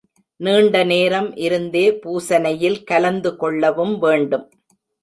நீண்ட நேரம் இருந்தே பூசனையில் கலந்து கொள்ளவும் வேண்டும்.